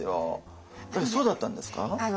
そうだったんですか？